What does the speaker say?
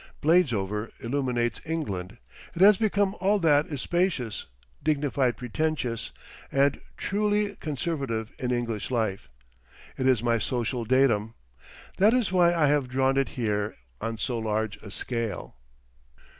Bladesover illuminates England; it has become all that is spacious, dignified pretentious, and truly conservative in English life. It is my social datum. That is why I have drawn it here on so large a scale.